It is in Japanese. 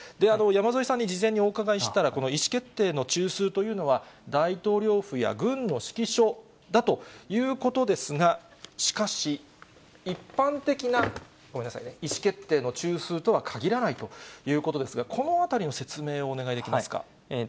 山添さんに事前にお伺いしたら、この意思決定の中枢というのは、大統領府や軍の指揮所だということですが、しかし、一般的な意思決定の中枢とはかぎらないということですが、このあたりの説明をお願いできますか。